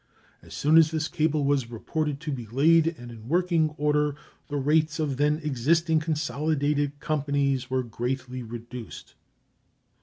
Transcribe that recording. As soon as this cable was reported to be laid and in working order the rates of the then existing consolidated companies were greatly reduced.